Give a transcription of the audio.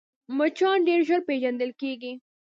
مچان ډېر ژر پېژندل کېږي